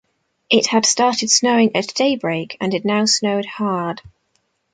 It had started snowing at daybreak, and it now snowed hard.